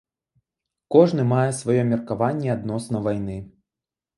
Кожны мае сваё меркаванне адносна вайны.